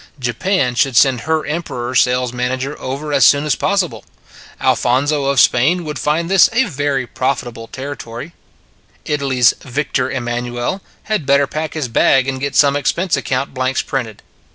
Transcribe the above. Japan should send her Emperor sales manager over as soon as possible. Alphonso of Spain would find this a very profitable territory. Italy s Victor Em nanuel had better pack his bag and get some expense account blanks printed.